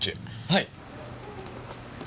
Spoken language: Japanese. はい。